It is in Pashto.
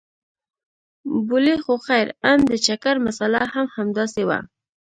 بولې خو خير ان د چکر مساله هم همداسې وه.